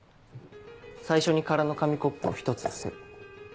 最初に空の紙コップを１つ伏せる。